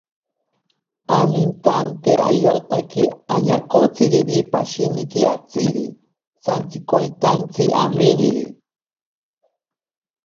Anintante irotaki añakotsiriri pashiniki atziri santsikoitantsi aminiri.